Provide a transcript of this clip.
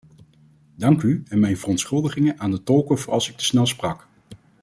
Dank u en mijn verontschuldigingen aan de tolken voor als ik te snel sprak.